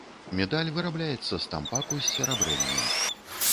Медаль вырабляецца з тампаку з серабрэннем.